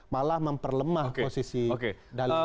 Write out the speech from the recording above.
malah memperlemah posisi dalil